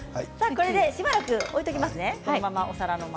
これでしばらく置いておきますね。